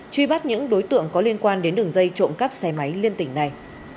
truy bắt những đối tượng có liên quan đến đường dây trộm cắp xe máy liên tỉnh này